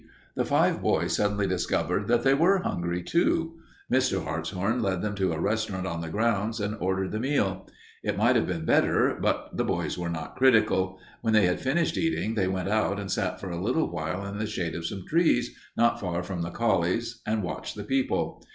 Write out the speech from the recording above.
The five boys suddenly discovered that they were hungry, too. Mr. Hartshorn led them to a restaurant on the grounds and ordered the meal. It might have been better, but the boys were not critical. When they had finished eating they went out and sat for a little while in the shade of some trees, not far from the collies, and watched the people.